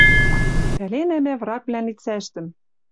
Пӓленӓ мӓ врагвлӓн лицӓштӹм